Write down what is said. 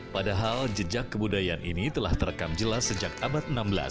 padahal jejak kebudayaan ini telah terekam jelas sejak abad enam belas